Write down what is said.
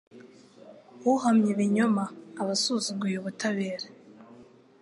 Uhamya ibinyoma aba asuzuguye ubutabera